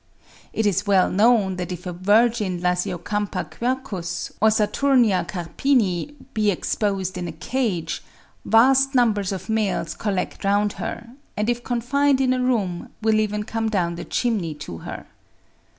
It is well known that if a virgin Lasiocampa quercus or Saturnia carpini be exposed in a cage, vast numbers of males collect round her, and if confined in a room will even come down the chimney to her.